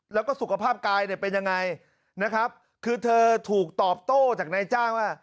แล้วก็สุขภาพกายเป็นยังไงคือเธอถูกตอบโต้จากในจ้างว่า